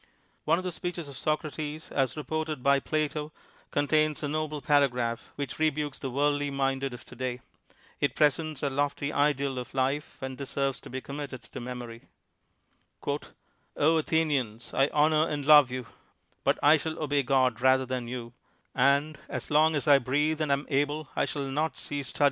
One of the speeches of Socrates as reported by Plato contains a noble paragraph which rebukes the worldly minded of to day. It presents a lofty ideal of life and deserves to be committed to memory: '' Athenians, I honor and love you ; but I shall obey God rather than you; and as long as I breathe and am able I shall not cease study ■ It will be founrl in volume one of this series.